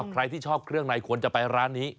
ใครที่ชอบเครื่องในควรจะไปร้านนี้